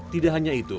tidak hanya itu